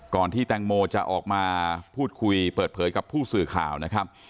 ที่แตงโมจะออกมาพูดคุยเปิดเผยกับผู้สื่อข่าวนะครับ